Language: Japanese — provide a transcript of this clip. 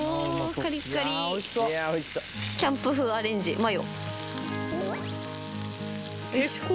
カリッカリキャンプ風アレンジマヨ